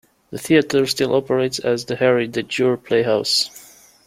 The theatre still operates, as the Harry De Jur Playhouse.